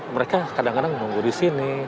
mereka kadang kadang menunggu disini